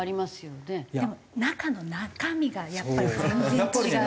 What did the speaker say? でも中の中身がやっぱり全然違うって。